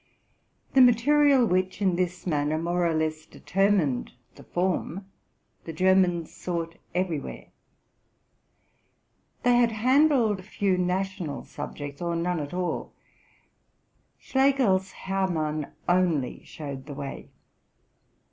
The material which, in this manner, more or less deter mined the form, the Germans sought everywhere. They had handled few national subjects, or none at all. Schlegel's '* Hermann '"' only showed the way.